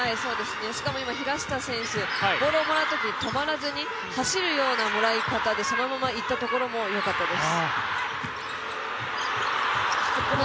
しかも、今、平下選手、ボールをもらうとき止まらずに走るようなもらい方でそのまま行ったところもよかったです。